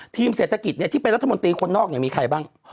เศรษฐกิจที่เป็นรัฐมนตรีคนนอกเนี่ยมีใครบ้าง